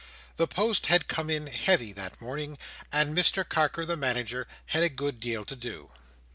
The post had come in heavy that morning, and Mr Carker the Manager had a good deal to do.